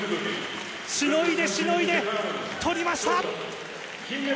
しのいで、しのいで、とりました。